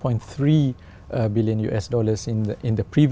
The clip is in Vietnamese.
ít hơn là một mươi ba triệu đồng trong năm trước